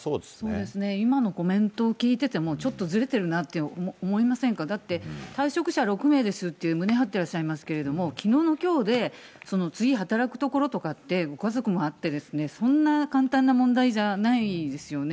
そうですね、今のコメントを聞いてても、ちょっとずれてるなって思いませんか、だって、退職者６名ですって、胸張っていらっしゃいますけれども、きのうのきょうで、次働くところとかって、ご家族もあって、そんな簡単な問題じゃないですよね。